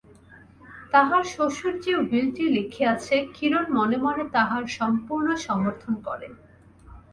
তাহার শ্বশুর যে উইলটি লিখিয়াছে কিরণ মনে মনে তাহার সম্পূর্ণ সমর্থন করে।